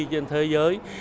trên thế giới